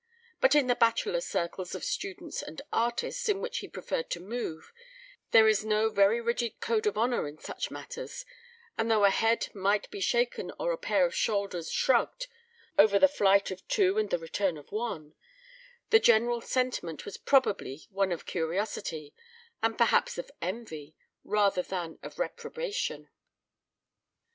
But in the bachelor circles of students and artists in which he preferred to move there is no very rigid code of honour in such matters, and though a head might be shaken or a pair of shoulders shrugged over the flight of two and the return of one, the general sentiment was probably one of curiosity and perhaps of envy rather than of reprobation.